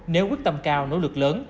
nếu quyết tâm cao nỗ lực lớn